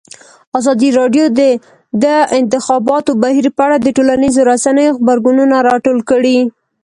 ازادي راډیو د د انتخاباتو بهیر په اړه د ټولنیزو رسنیو غبرګونونه راټول کړي.